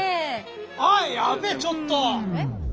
あっやべえちょっと！